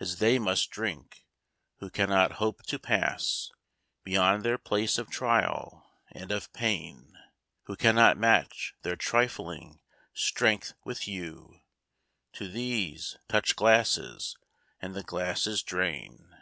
As they must drink, who cannot hope to pass Beyond their place of trial and of pain. Who cannot match their trifling strength with you; To these, touch glasses — ^and the glasses drain